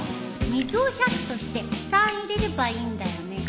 水を１００として３入れればいいんだよね。